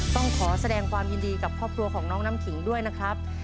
ต้องขอแสดงความยินดีกับครอบครัวของน้องน้ำขิงด้วยนะครับ